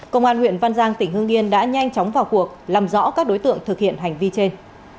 công an huyện văn giang tỉnh hương yên đã nhanh chóng vào cuộc làm rõ các đối tượng thực hiện hành vi trên